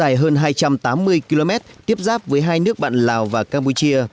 dài hơn hai trăm tám mươi km tiếp giáp với hai nước bạn lào và campuchia